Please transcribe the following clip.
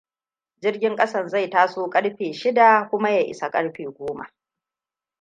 Jirgin ƙasan zai taso ƙarfe shida kuma ya isa ƙarfe goma.